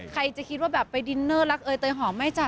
ใครจะคิดว่าแบบไปดินเนอร์รักเอยเตยหอมไหมจ๊ะ